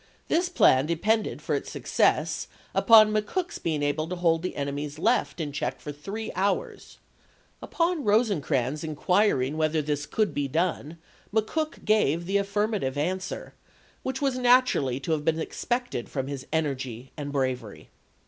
This plan depended for its success upon McCook's being able to hold the enemy's left in check for three hours ; upon Rosecrans inquir ing whether this could be done, McCook gave the affii'mative answer which was naturally to have been expected from his energy and bravery.